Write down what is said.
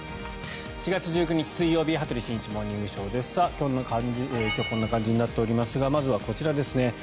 ４月１９日、水曜日「羽鳥慎一モーニングショー」。今日はこんな感じになっておりますがまずはこちらですね。